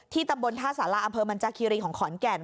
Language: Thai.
ตำบลท่าสาราอำเภอมันจาคีรีของขอนแก่น